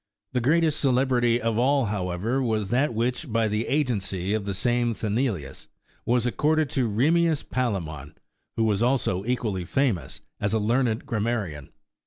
81 The greatest celebrity of all, however, was that which, by the agency of the same Sthenelus, was accorded to Ehemmius Palremon, who was also equally famous as a learned gram marian.